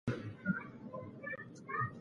قبضیت باید حل شي.